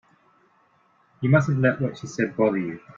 You mustn't let what she said bother you.